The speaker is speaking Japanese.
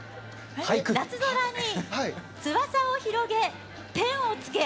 夏空に翼を広げ天を衝け。